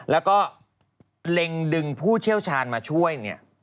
แล้วก็เล็งดึงผู้เชี่ยวชาญมาช่วยเนี่ย